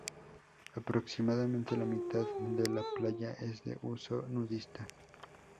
Aproximadamente la mitad de la playa es de uso nudista.